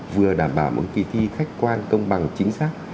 vừa đảm bảo một kỳ thi khách quan công bằng chính xác